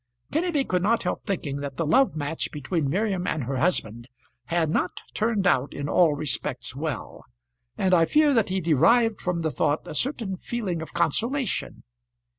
Kenneby could not help thinking that the love match between Miriam and her husband had not turned out in all respects well, and I fear that he derived from the thought a certain feeling of consolation.